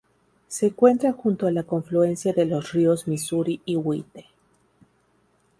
Se encuentra junto a la confluencia de los ríos Misuri y White.